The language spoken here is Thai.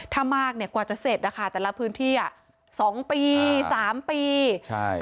ถ้ามากเนี่ยกว่าจะเสร็จนะคะแต่ละพื้นที่อ่ะสองปีสามปีใช่